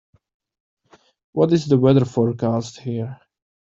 What is the weather forecast here